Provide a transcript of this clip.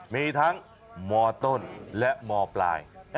มีทั้งมต้นและมปลาย